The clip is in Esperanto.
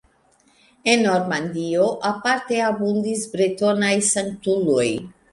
En Normandio aparte abundis bretonaj sanktuloj.